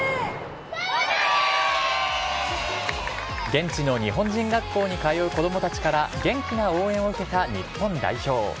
現地の日本人学校に通う子どもたちから元気な応援を受けた日本代表。